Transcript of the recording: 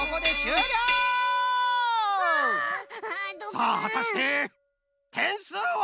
さあはたしててんすうは？